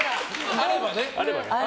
あればね。